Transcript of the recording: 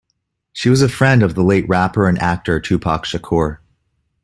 She was a friend of the late rapper and actor Tupac Shakur.